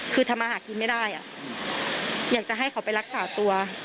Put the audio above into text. คือทำมาหากินไม่ได้อยากจะให้เขาไปรักษาตัว